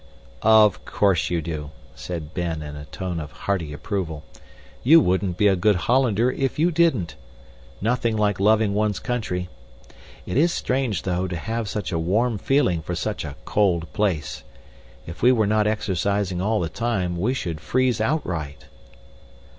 "Of course you do," said Ben in a tone of hearty approval. "You wouldn't be a good Hollander if you didn't. Nothing like loving one's country. It is strange, though, to have such a warm feeling for such a cold place. If we were not exercising all the time, we should freeze outright."